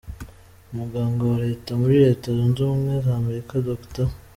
Umuganga wa Leta muri Leta zunze ubumwe za Amerika Dr.